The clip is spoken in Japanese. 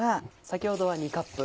先ほどは２カップ。